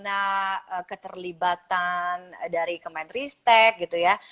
bagaimana keterlibatan dari kemenristek gitu ya